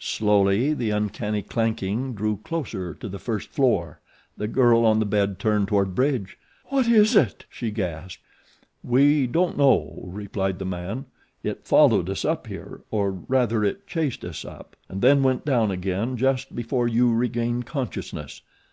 Slowly the uncanny clanking drew closer to the first floor. The girl on the bed turned toward Bridge. "What is it?" she gasped. "We don't know," replied the man. "It followed us up here, or rather it chased us up; and then went down again just before you regained consciousness.